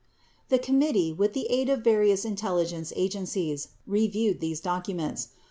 The committee, with the aid of various intelligence agencies, re viewed these documents.